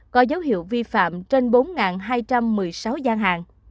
có dấu hiệu vi phạm trên bốn hai trăm một mươi sáu gian hàng